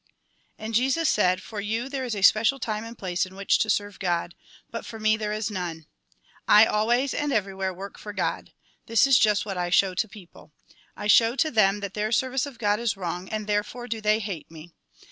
And Jesus said :" For you, there is a special time 90 Jn. vii. 1. 5. 3. / AND THE FATHER ARE ONE 91 Jn. Yii. 18. 21. and place m which to serve God ; but for me, there is none. I always and everywhere work for God. This is just what I show to people. I show to them that their service of God is wrong, and there fore do they hate me.